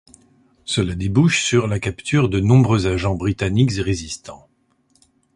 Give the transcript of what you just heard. Cela débouche sur la capture de nombreux agents britanniques et résistants.